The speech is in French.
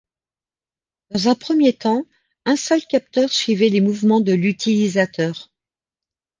Dans un premier temps, un seul capteur suivait les mouvements de l'utilisateur.